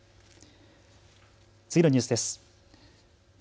次のニュースです。